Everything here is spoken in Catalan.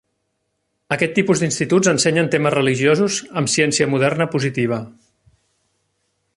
Aquest tipus d'instituts ensenyen temes religiosos amb ciència moderna positiva.